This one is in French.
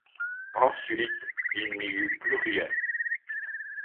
Ensuite, il n'y eut plus rien.